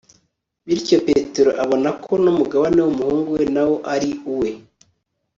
bityo petero abona ko n'umugabane w'umuhungu we nawo ari uwe